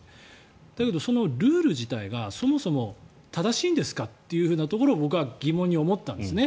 だけどそのルール自体がそもそも正しいんですかというところを僕は疑問に思ったんですね